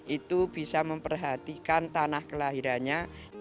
itu bisa memperhatikan tanah kelahirannya